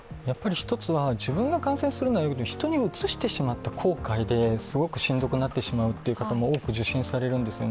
一つは自分が感染するのはいいけれども、人にうつしてしまった場合すごくしんどくなってしまうという方も多く受診されるんですよね。